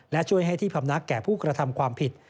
และช่วยให้ที่พำนักแก่ผู้กระทำความผิด